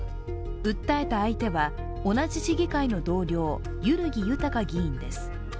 訴えた相手は同じ市議会の同僚、万木豊議員です。